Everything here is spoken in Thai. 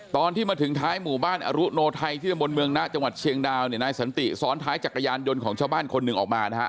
ตอนที่มาถึงท้ายหมู่บ้านอรุโนไทยที่ตำบลเมืองนะจังหวัดเชียงดาวเนี่ยนายสันติซ้อนท้ายจักรยานยนต์ของชาวบ้านคนหนึ่งออกมานะฮะ